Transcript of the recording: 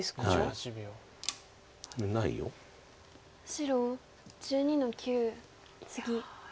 白１２の九ツギ。